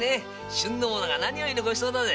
旬のものが何よりの御馳走だぜ！